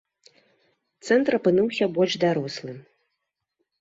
Цэнтр апынуўся больш дарослым.